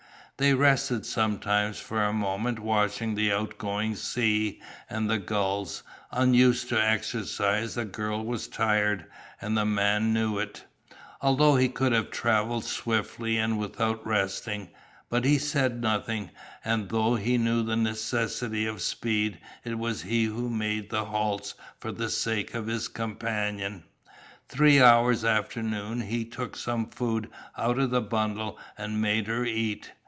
They rested sometimes for a moment watching the out going sea and the gulls; unused to exercise the girl was tired, and the man knew it. Alone he could have travelled swiftly and without resting, but he said nothing, and though he knew the necessity of speed, it was he who made the halts for the sake of his companion. Three hours after noon he took some food out of the bundle and made her eat.